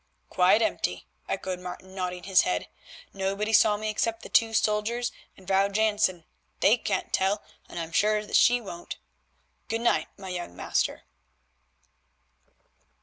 "Quite empty," echoed Martin nodding his head. "Nobody saw me except the two soldiers and Vrouw Jansen. They can't tell, and I'm sure that she won't. Good night, my young master."